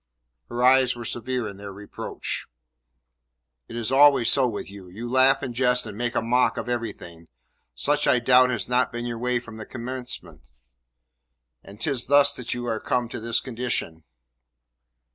Her eyes were severe in their reproach. "It is always so with you. You laugh and jest and make a mock of everything. Such I doubt not has been your way from the commencement, and 'tis thus that you are come to this condition."